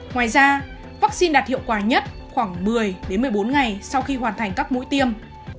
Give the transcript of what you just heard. ngoài ra vaccine đạt hiệu quả nhất khoảng một mươi một mươi bốn ngày sau khi hoàn thành các mũi tiêm